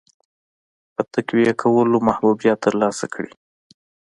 په تقویه کولو محبوبیت ترلاسه کړي.